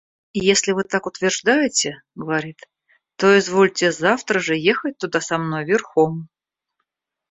— Если вы так утверждаете, — говорит, — то извольте завтра же ехать туда со мной верхом...